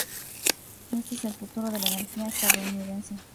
Este es el futuro de la energía estadounidense".